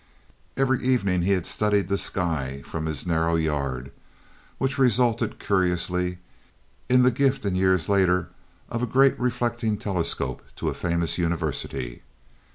Every evening he had studied the sky from his narrow yard, which resulted curiously in the gift in later years of a great reflecting telescope to a famous university.